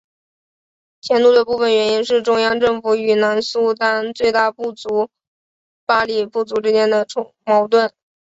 迁都的部分原因是中央政府与南苏丹最大部族巴里部族之间的矛盾。